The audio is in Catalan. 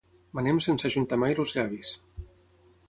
Manem sense ajuntar mai els llavis.